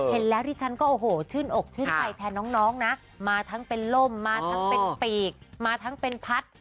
เห็นแล้วที่ฉันก็โอ้โหชื่นอกชื่นใจแทนน้องนะมาทั้งเป็นล่มมาทั้งเป็นปีกมาทั้งเป็นพัด